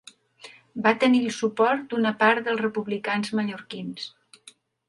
Va tenir el suport d'una part dels republicans mallorquins.